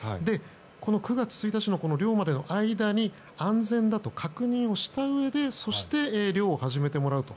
この９月１日の漁までの間に安全だと確認をしたうえでそして、漁を始めてもらうと。